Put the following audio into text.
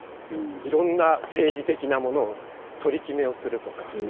いろんな政治的なものを取り決めをするとか。